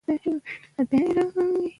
ملګري یو ځای سفر ته ولاړل او خوند یې واخیست